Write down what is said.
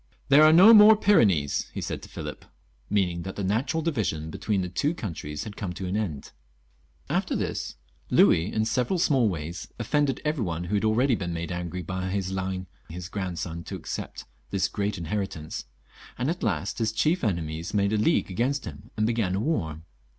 " There are no more Pyrenees," he said to Philip, meaning that the natural division between the two countries had come to an end. After this Louis, in several small ways, offended every one „hoW.Wy been n^ang^b^M. .U„™« 1^ grandson to accept this great inheritance, and at last his XLV.] LOUIS XIV. 367 chief enemies made a league against him and began a war.